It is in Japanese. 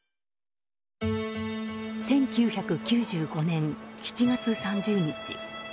１９９５年７月３０日。